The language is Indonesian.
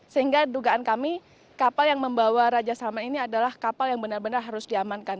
sehingga dugaan kami kapal yang membawa raja salman ini adalah kapal yang benar benar harus diamankan